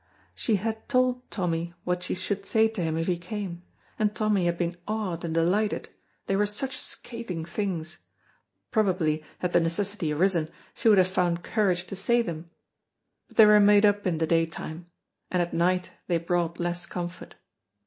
She had told Tommy what she should say to him if he came, and Tommy had been awed and delighted, they were such scathing things; probably, had the necessity arisen, she would have found courage to say them, but they were made up in the daytime, and at night they brought less comfort.